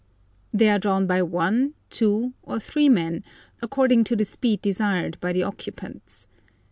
They are drawn by one, two, or three men, according to the speed desired by the occupants.